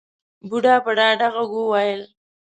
بوډا په ډاډه غږ وويل.